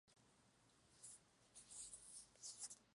Sirve de acceso al Palacio de Peredo y al Parque La Alianza.